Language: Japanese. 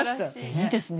いいですね。